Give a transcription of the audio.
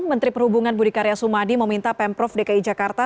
menteri perhubungan budi karya sumadi meminta pemprov dki jakarta